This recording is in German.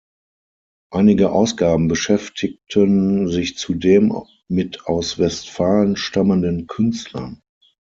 Einige Ausgaben beschäftigten sich zudem mit aus Westfalen stammenden Künstlern.